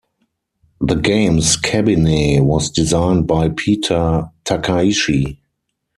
The game's cabinet was designed by Peter Takaichi.